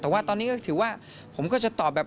แต่ว่าตอนนี้ก็ถือว่าผมก็จะตอบแบบ